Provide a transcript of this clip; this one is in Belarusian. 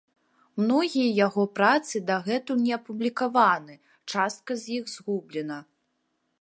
Многія яго працы дагэтуль не апублікаваны, частка з іх згублена.